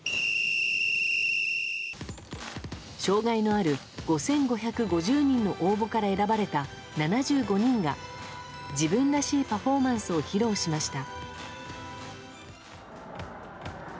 障害のある５５５０人の応募から選ばれた７５人が自分らしいパフォーマンスを披露しました。